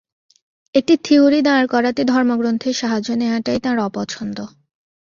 একটি থিওরি দাঁড় করাতে ধর্মগ্রন্থের সাহায্য নেয়াটাই তাঁর অপছন্দ।